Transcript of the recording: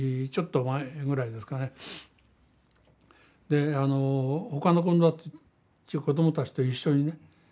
あので他の子供たちと一緒にね